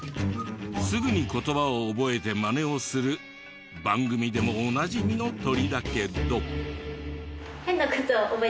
すぐに言葉を覚えてマネをする番組でもおなじみの鳥だけど。